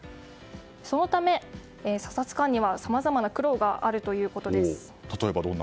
そのため、査察官にはさまざまな苦労があるということです。